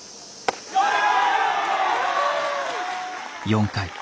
４回。